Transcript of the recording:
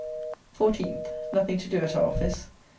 14th. Nothing to do at our office.